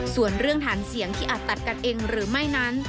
ส่วนเรื่องฐานเสียงที่อาจตัดกันเองหรือไม่นั้น